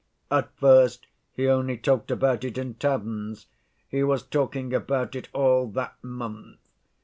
"At first he only talked about it in taverns—he was talking about it all that month.